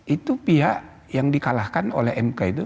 itu pihak yang dikalahkan oleh mk itu